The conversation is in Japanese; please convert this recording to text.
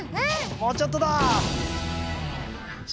もうちょっとだ。